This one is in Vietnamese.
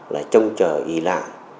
là trông chờ ý lạ